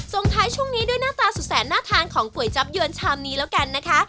ท้ายช่วงนี้ด้วยหน้าตาสุดแสนน่าทานของก๋วยจับเยือนชามนี้แล้วกันนะคะ